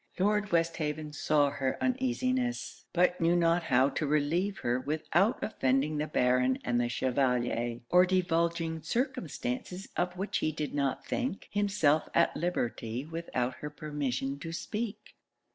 Lord Westhaven saw her uneasiness; but knew not how to relieve her without offending the Baron and the Chevalier, or divulging circumstances of which he did not think himself at liberty without her permission to speak.